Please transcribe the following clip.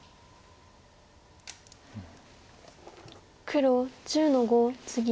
黒１０の五ツギ。